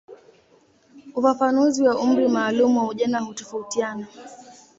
Ufafanuzi wa umri maalumu wa ujana hutofautiana.